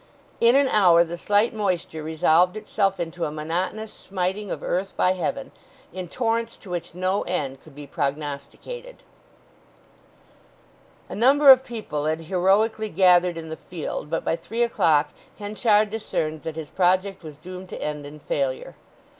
In an hour the slight moisture resolved itself into a monotonous smiting of earth by heaven, in torrents to which no end could be prognosticated. A number of people had heroically gathered in the field but by three o'clock Henchard discerned that his project was doomed to end in failure.